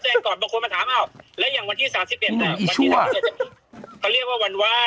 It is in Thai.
จะตัดแล้วไม่ได้เป็นเออไม่ได้เป็นตัดเลยอ่ะเฮะ